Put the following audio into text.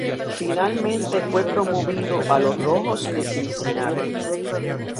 Finalmente fue promovido a los Rojos de Cincinnati.